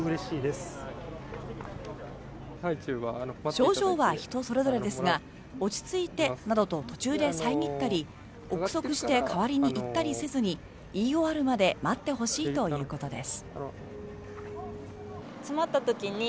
症状は人それぞれですが落ち着いてなどと途中で遮ったり臆測して代わりに言ったりせずに言い終わるまで待ってほしいということです。